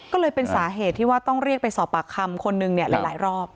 ก็เลยเป็นสาเหตุที่ว่าต้องเรียกไปสอบปากคำคนนึงเนี่ยหลายรอบ